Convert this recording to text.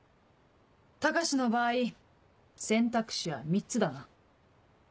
高志の場合選択肢は３つだな。